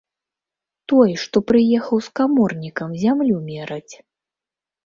Той, што прыехаў з каморнікам зямлю мераць.